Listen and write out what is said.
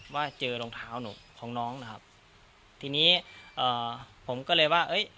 ว่าเจอรองเท้าหนูของน้องนะครับทีนี้เอ่อผมก็เลยว่าเอ้ย